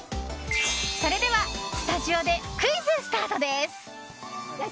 それではスタジオでクイズ、スタートです！